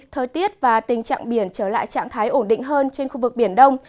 thời tiết và tình trạng biển trở lại trạng thái ổn định hơn trên khu vực biển đông